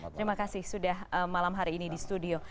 terima kasih sudah malam hari ini di studio